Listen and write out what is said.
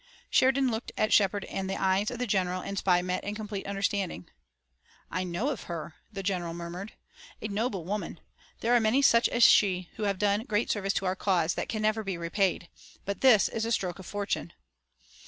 Sheridan looked at Shepard and the eyes of general and spy met in complete understanding. "I know of her," the general murmured. "A noble woman! There are many such as she who have done great service to our cause that can never be repaid! But this is a stroke of fortune!"